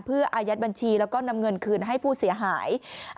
เพื่ออายัดบัญชีแล้วก็นำเงินคืนให้ผู้เสียหาย